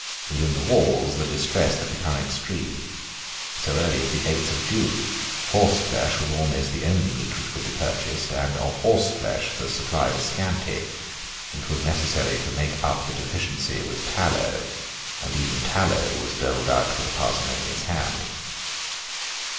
Within the walls the distress had become extreme. So early as the eighth of June horseflesh was almost the only meat which could be purchased; and of horseflesh the supply was scanty. It was necessary to make up the deficiency with tallow; and even tallow was doled out with a parsimonious hand.